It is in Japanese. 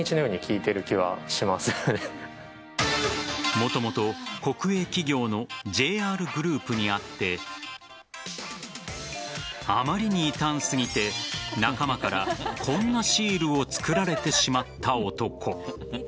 もともと国営企業のＪＲグループにあってあまりに異端すぎて仲間からこんなシールを作られてしまった男。